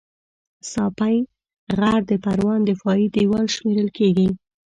ساپی غر د پروان دفاعي دېوال شمېرل کېږي